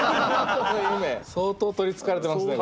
相当取りつかれてますね